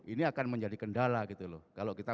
ini akan menjadi kendala gitu loh kalau kita